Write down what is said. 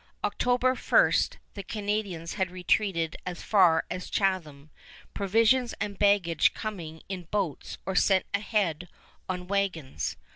October first the Canadians had retreated far as Chatham, provisions and baggage coming in boats or sent ahead on wagons.